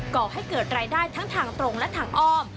ก่อให้เกิดรายได้ทั้งทางตรงและทางอ้อม